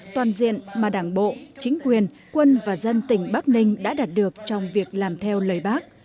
toàn diện mà đảng bộ chính quyền quân và dân tỉnh bắc ninh đã đạt được trong việc làm theo lời bác